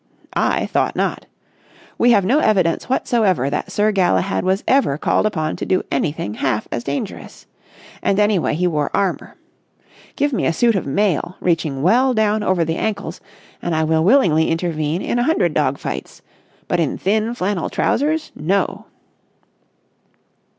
I thought not. We have no evidence whatsoever that Sir Galahad was ever called upon to do anything half as dangerous. And, anyway, he wore armour. Give me a suit of mail, reaching well down over the ankles, and I will willingly intervene in a hundred dog fights. But in thin flannel trousers, no!"